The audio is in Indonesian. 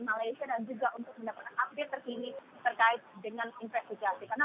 malaysia dan juga untuk mendapatkan update terkini terkait dengan investigasi karena